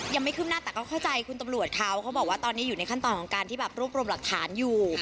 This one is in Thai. ไม่คืบหน้าแต่ก็เข้าใจคุณตำรวจเขาเขาบอกว่าตอนนี้อยู่ในขั้นตอนของการที่แบบรวบรวมหลักฐานอยู่